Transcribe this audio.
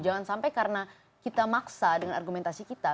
jangan sampai karena kita maksa dengan argumentasi kita